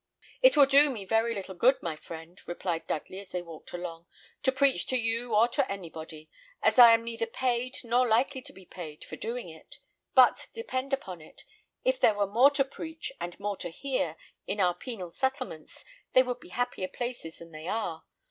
"It will do me very little good, my friend," replied Dudley, as they walked along, "to preach to you or to anybody, as I am neither paid, nor likely to be paid, for doing it; but, depend upon it, if there were more to preach, and more to hear, in our penal settlements, they would be happier places than they are.